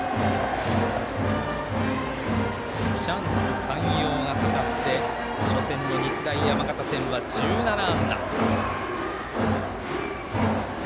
「チャンス山陽」がかかって初戦の日大山形戦は１７安打。